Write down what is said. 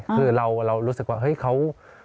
คือเรารู้สึกว่าเฮ้ยเขา